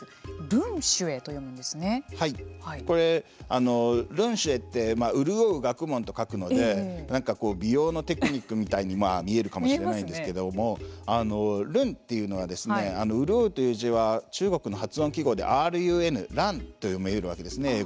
潤学とこれ潤学って潤う学問と書くのでなんか美容のテクニックみたいに見えるかもしれないんですけどｒｕｎというのは「潤」という字は中国の発音記号でｒｕｎ「ｒｕｎ」と読めるわけですね